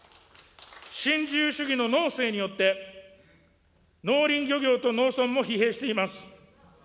新自由主義の農政によって、農林漁業と農村も疲弊しています。